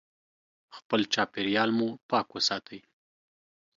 خپل چاپیریال مو پاک وساتئ.